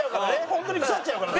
ホントに腐っちゃうからね。